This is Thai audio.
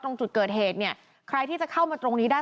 ตรงจุดเกิดเหตุเนี่ยใครที่จะเข้ามาตรงนี้ได้